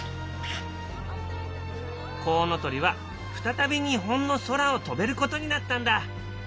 コウノトリは再び日本の空を飛べることになったんだ。